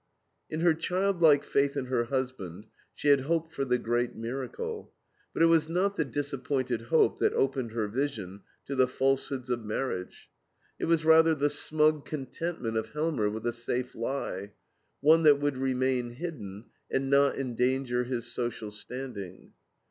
In her childlike faith in her husband she had hoped for the great miracle. But it was not the disappointed hope that opened her vision to the falsehoods of marriage. It was rather the smug contentment of Helmer with a safe lie one that would remain hidden and not endanger his social standing.